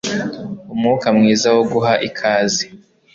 Umwuka mwiza wo guha ikaze